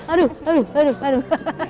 aduh aduh aduh